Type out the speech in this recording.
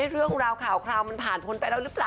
เรื่องราวข่าวคราวมันผ่านพ้นไปแล้วหรือเปล่า